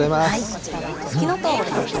こちらはふきのとうですか。